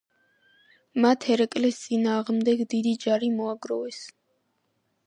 მათ ერეკლეს წინააღმდეგ დიდი ჯარი მოაგროვეს.